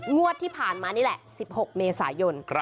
งวดที่ผ่านมานี่แหละ๑๖เมษายน